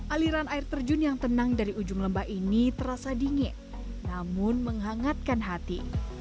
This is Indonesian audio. aliran air terjun yang tenang dari ujung lembah ini terasa dingin namun menghangatkan hati